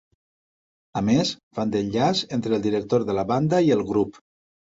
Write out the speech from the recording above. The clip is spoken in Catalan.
A més, fan d'enllaç entre el director de la banda i el grup.